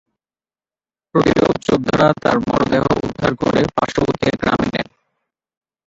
প্রতিরোধ যোদ্ধারা তার মরদেহ উদ্ধার করে পার্শ্ববর্তী এক গ্রামে নেন।